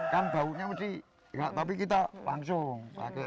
kan baunya mesti tapi kita langsung pakai